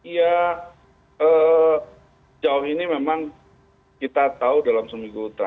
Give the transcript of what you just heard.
ya jauh ini memang kita tahu dalam seminggu